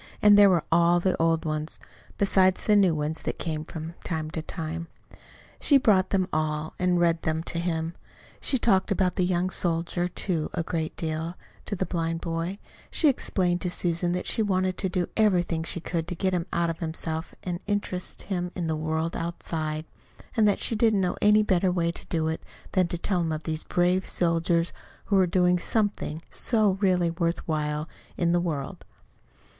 And there were all the old ones, besides the new ones that came from time to time. She brought them all, and read them to him. She talked about the young soldier, too, a great deal, to the blind boy She explained to Susan that she wanted to do everything she could to get him out of himself and interest him in the world outside; and that she didn't know any better way to do it than to tell him of these brave soldiers who were doing something so really worth while in the world.